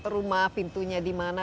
rumah pintunya dimana